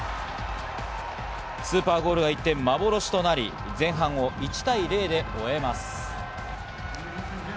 スーパーゴールが一転、幻となり、前半を１対０で終えます。